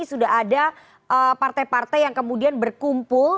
sudah ada partai partai yang kemudian berkumpul